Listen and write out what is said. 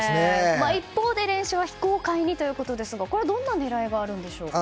一方で練習は非公開にということですがこれ、どんな狙いがあるんでしょうか？